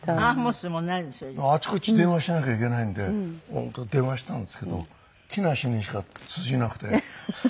あちこち電話しなきゃいけないんで電話したんですけど木梨にしか通じなくて。